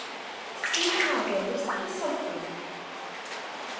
STEEVE HARGRAVES, "THE SOFTY."